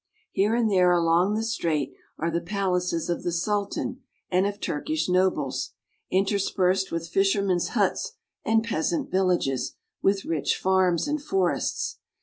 Here and there along the strait are the palaces of the Sultan 362 TURKEY. and of Turkish nobles, interspersed with fishermen's huts and peasant villages, with rich farms and forests.